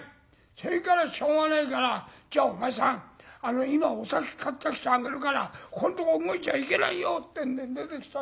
それからしょうがないから『じゃあお前さん今お酒買ってきてあげるからここんとこ動いちゃいけないよ』ってんで出てきたんですけども。